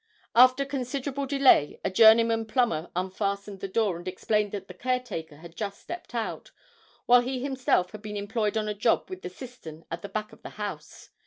After considerable delay a journeyman plumber unfastened the door and explained that the caretaker had just stepped out, while he himself had been employed on a job with the cistern at the back of the house.